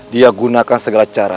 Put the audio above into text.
dia gunakan segala cara